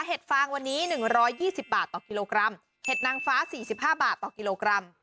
เห็งวันนี้๑๒๐บาทต่อกิโลกรัมเห็ดนางฟ้าสี่สิบห้าบาทต่อกิโลกรัม